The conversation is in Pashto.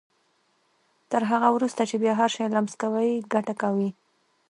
تر هغه وروسته چې بيا هر شی لمس کوئ ګټه کوي.